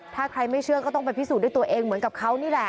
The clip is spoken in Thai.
ถ้าใครไม่เชื่อก็ต้องไปพิสูจน์ด้วยตัวเองเหมือนกับเขานี่แหละ